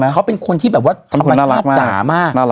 เขาเป็นคนที่ทำรายภาพจ๋ามาก